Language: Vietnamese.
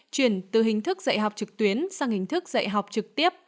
chuyển từ hình thức dạy học trực tuyến sang hình thức dạy học trực tiếp